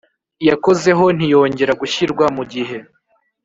Yakozeho ntiyongera gushyirwa mu gihe